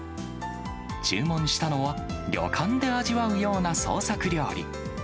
注文したのは、旅館で味わうような創作料理。